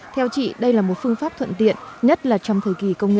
theo chị đây là một phương pháp thuận tiện nhất là trong thời kỳ công nghệ bốn